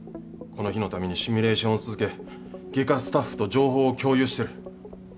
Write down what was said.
この日のためにシミュレーションを続け外科スタッフと情報を共有してる。